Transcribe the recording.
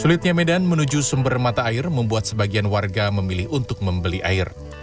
sulitnya medan menuju sumber mata air membuat sebagian warga memilih untuk membeli air